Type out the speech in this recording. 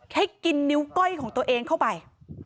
ให้กินนิ้วก้อยของตัวเองเข้าไป